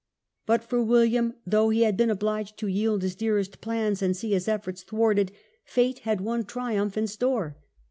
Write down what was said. But for William, though he had been obliged to yield his dearest plans and see his efforts thwarted, fate had one triumph in store.